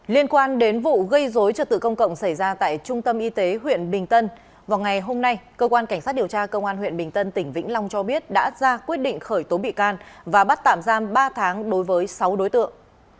liên quan đến vụ gây dối trật tự công cộng xảy ra tại trung tâm y tế huyện bình tân vào ngày hôm nay cơ quan cảnh sát điều tra công an huyện bình tân tỉnh vĩnh long cho biết đã ra quyết định khởi tố bị can và bắt tạm giam ba tháng đối với sáu đối tượng